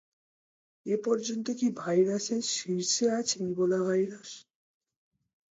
এ পর্যন্ত কি ভাইরাসের শীর্ষে আছে ইবোলা ভাইরাস?